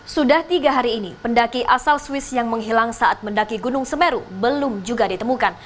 sudah tiga hari ini pendaki asal swiss yang menghilang saat mendaki gunung semeru belum juga ditemukan